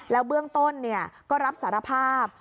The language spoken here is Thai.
แล้วเบื้องต้นก็รับสารภาพ